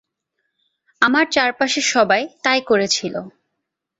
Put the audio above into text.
আমার চারপাশের সবাই তাই করেছিল।